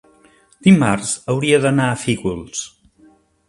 dimarts hauria d'anar a Fígols.